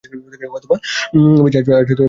হয়তোবা বেশি আজ বেশি পান করে ফেলেছ।